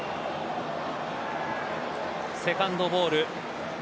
セカンドボール